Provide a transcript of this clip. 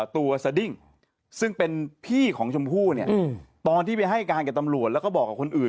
สดิ้งซึ่งเป็นพี่ของชมพู่เนี่ยตอนที่ไปให้การกับตำรวจแล้วก็บอกกับคนอื่น